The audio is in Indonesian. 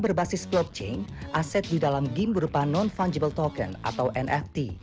berbasis blockchain aset di dalam game berupa non fungible token atau nft